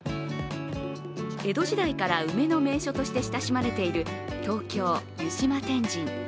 江戸時代から梅の名所と親しまれている東京・湯島天神。